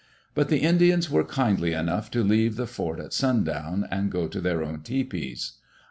But the Indians were kindly enou^ to leave the "fort'' at sundown and go to their own tepees.